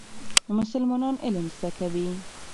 مسلمانان علم زده کوي.